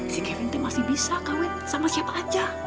si kevin tuh masih bisa kawin sama siapa aja